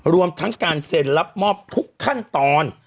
รวมทั้งการเซ็นรับมอบทุกขั้นตอน